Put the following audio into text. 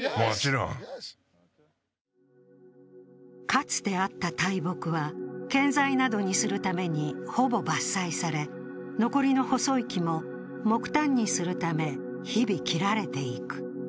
かつてあった大木は、建材などにするためにほぼ伐採され残りの細い木も、木炭にするため日々切られていく。